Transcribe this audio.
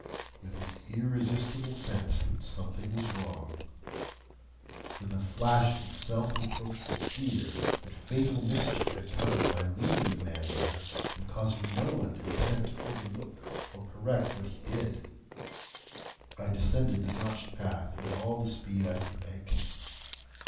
With an irresistible sense that something was wrong,—with a flashing self reproachful fear that fatal mischief had come of my leaving the man there, and causing no one to be sent to overlook or correct what he did,—I descended the notched path with all the speed I could make.